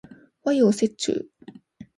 和洋折衷